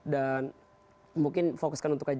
dan mungkin fokus kembali ke masyarakat